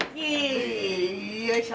よいしょ。